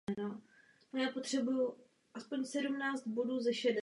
Jde o silně vlastenecké eseje.